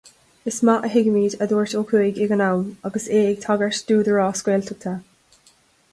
Is maith a thuigimid, a dúirt Ó Cuaig ag an am, agus é ag tagairt d'údarás Gaeltachta.